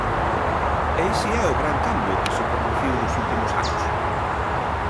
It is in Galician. E ese é o gran cambio que se produciu nos últimos anos.